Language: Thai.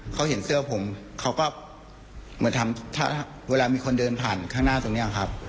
เขาเห็นเสื้อผมเขาก็เหมือนทำถ้าเวลามีคนเดินผ่านข้างหน้าตรงนี้ครับ